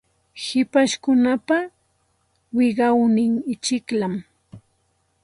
Hipashkunapa wiqawnin ichikllam.